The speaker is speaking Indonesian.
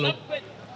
saya suka dengan